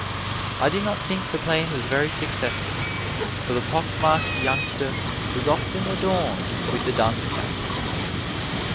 I do not think the plan was very successful, for the pockmarked youngster was often adorned with the dunce cap.